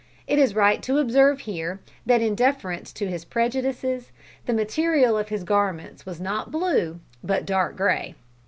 It is right to observe here that, in deference to his prejudices, the material of his garments was not blue, but dark grey.